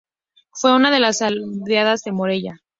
Fue una de las aldeas de Morella.